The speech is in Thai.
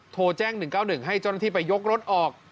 โทรแจ้ง๑๙๑ให้เจ้าหน้าที่ไปยกรถออก